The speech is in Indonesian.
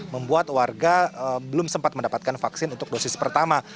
membuat warga belum sempat mendapatkan vaksin untuk dosis pertama